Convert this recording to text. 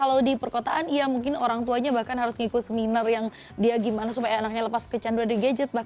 kalau di perkotaan ya mungkin orang tuanya bahkan harus ngikut seminar yang dia gimana supaya anaknya lepas kecanduan di gadget